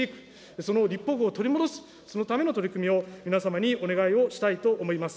その立法府を取り戻す、そのための取り組みを皆様にお願いをしたいと思います。